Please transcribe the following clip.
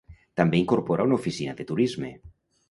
També incorpora una oficina de turisme.